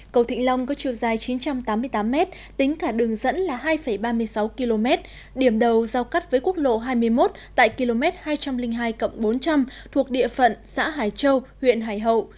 cầu thịnh long có chiều dài chín trăm tám mươi tám m tính cả đường dẫn là hai ba mươi sáu km điểm đầu giao cắt với quốc lộ hai mươi một tại km hai trăm linh hai bốn trăm linh thuộc địa phận xã hải châu huyện hải hậu